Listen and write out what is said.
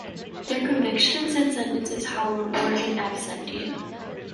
Their convictions and sentences, however, were "in absentia".